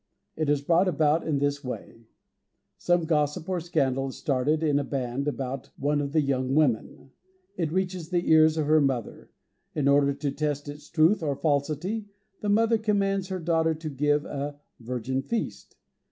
It is brought about in this way: Some gossip or scandal is started in a band about one of the young women. It reaches the ears of her mother. In order to test its truth or falsity, the mother commands her daughter to give a "Virgin Feast."